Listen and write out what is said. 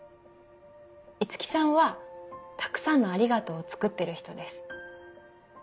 五木さんはたくさんの「ありがとう」をつくってる人です。